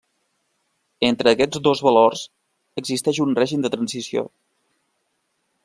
Entre aquests dos valor existeix un règim de transició.